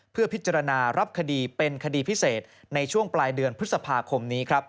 เพื่อพิจารณารับคดีเป็นคดีพิเศษในช่วงปลายเดือนพฤษภาคมนี้ครับ